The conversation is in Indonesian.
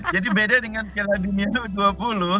jadi beda dengan piala dunia u dua puluh